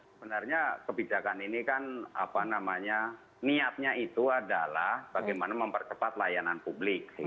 sebenarnya kebijakan ini kan apa namanya niatnya itu adalah bagaimana mempercepat layanan publik